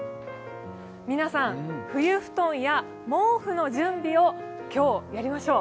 皆さん、冬布団や毛布の準備を今日やりましょう。